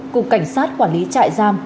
cục cảnh sát quản lý trại giam